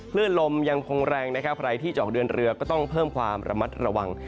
คลื่นลมยังคงแรงนะครับใครที่จะออกเดินเรือก็ต้องเพิ่มความระมัดระวัง